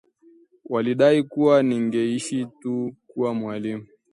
Walidai kuwa ningeishia tu kuwa mwalimu